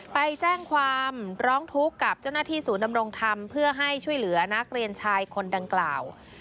ไปแจ้งความร้องทุกข์กับเจ้าหน้าที่ศูนย์ดำรงธรรมเพื่อให้ช่วยเหลือนักเรียนชายคนดังกล่าว